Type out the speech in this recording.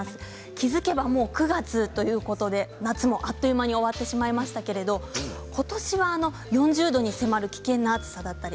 気付けばもう９月ということで夏もあっという間に終わってしまいましたけれども今年は４０度に迫る危険な暑さだったり